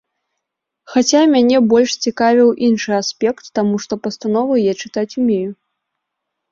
Хаця мяне больш цікавіў іншы аспект, таму што пастановы я чытаць умею.